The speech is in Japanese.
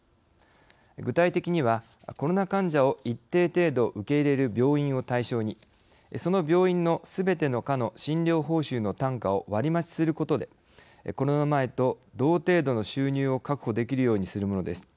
具体的にはコロナ患者を一定程度受け入れる病院を対象にその病院のすべての科の診療報酬の単価を割り増しすることでコロナ前と同程度の収入を確保できるようにするものです。